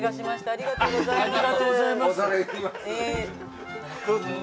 ありがとうございます。